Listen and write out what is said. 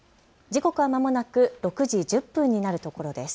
時刻はまもなく６時１０分になるところです。